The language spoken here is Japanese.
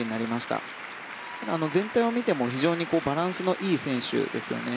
ただ、全体を見ても非常にバランスのいい選手ですよね。